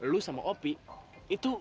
lu sama opi itu